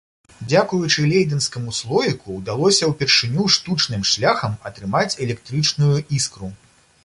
Дзякуючы лейдэнскаму слоіку ўдалося ўпершыню штучным шляхам атрымаць электрычную іскру.